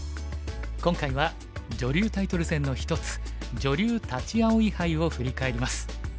今回は女流タイトル戦の一つ女流立葵杯を振り返ります。